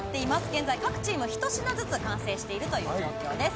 現在、各チーム１品ずつ完成しているという状況です。